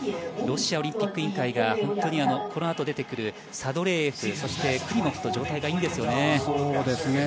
ロシアオリンピック委員会がこの後出てくるサドレーエフそしてクリモフ状態がいいんですよね。